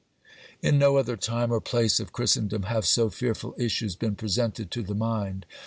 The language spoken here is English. _ In no other time or place of Christendom have so fearful issues been presented to the mind.